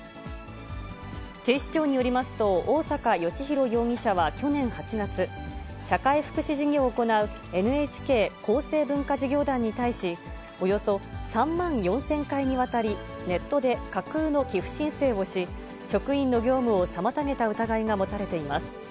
警視庁によりますと、大坂良広容疑者は去年８月、社会福祉事業を行うＮＨＫ厚生文化事業団に対し、およそ３万４０００回にわたり、ネットで架空の寄付申請をし、職員の業務を妨げた疑いが持たれています。